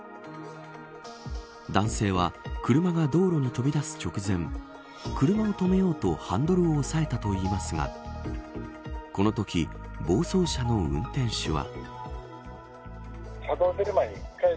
男性は、車が道路に飛び出す直前車を止めようとハンドルを押さえたといいますがこのとき、暴走車の運転手は。